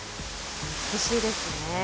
美しいですね。